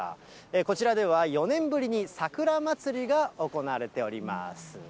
こちらでは４年ぶりにさくらまつりが行われております。